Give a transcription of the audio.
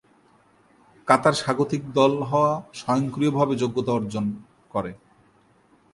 কাতার স্বাগতিক দল হওয়া স্বয়ংক্রিয়ভাবে যোগ্যতা অর্জন করে।